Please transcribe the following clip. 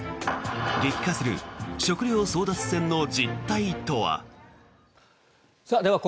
激化する食料争奪戦の実態とは。